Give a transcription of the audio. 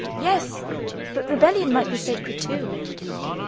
Yes, but rebellion might be sacred too.